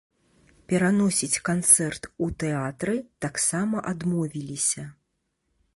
Пераносіць канцэрт у тэатры таксама адмовіліся.